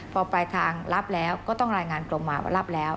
พอปลายทางรับแล้วก็ต้องรายงานกรมมาว่ารับแล้ว